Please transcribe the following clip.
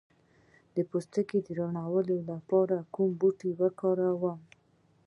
د پوستکي روڼوالي لپاره کوم بوټی وکاروم؟